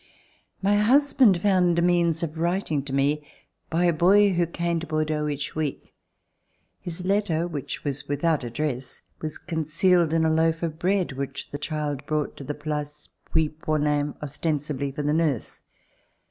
My husband found means of writing me, by a boy who came to Bordeaux each week. His letter, which was without address, was concealed in a loaf of bread which the child brought to the Place Puy Paulin ostensibly for the nurse.